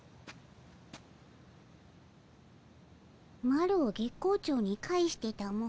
マロを月光町に帰してたも。